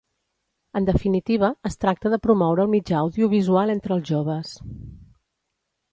En definitiva, es tracta de promoure el mitjà audiovisual entre els joves.